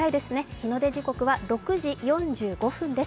日の出時刻は６時４５分です。